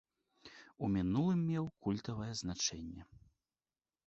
У мінулым меў культавае значэнне.